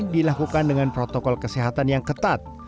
dilakukan dengan protokol kesehatan yang ketat